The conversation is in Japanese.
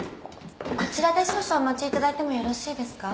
こちらで少々お待ちいただいてもよろしいですか？